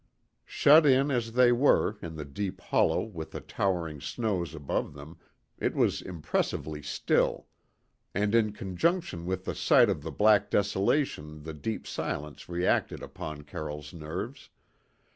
Shut in, as they were, in the deep hollow with the towering snows above them, it was impressively still; and in conjunction with the sight of the black desolation the deep silence reacted upon Carroll's nerves.